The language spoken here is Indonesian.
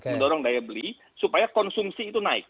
mendorong daya beli supaya konsumsi itu naik